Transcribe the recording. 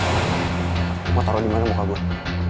lo taruh di mana muka gue